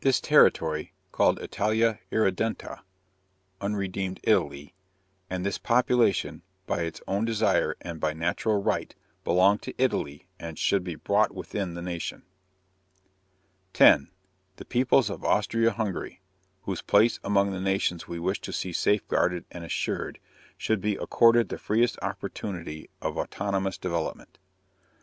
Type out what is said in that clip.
This territory, called Italia Irredenta (unredeemed Italy), and this population, by its own desire and by natural right, belong to Italy and should be brought within the nation. 10. _The peoples of Austria Hungary, whose place among the nations we wish to see safeguarded and assured, should be accorded the freest opportunity of autonomous development.